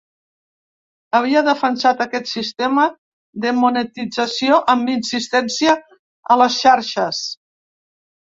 Havia defensat aquest sistema de monetització amb insistència a les xarxes.